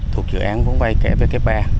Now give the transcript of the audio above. thuộc dự án vốn vai kẻ vk ba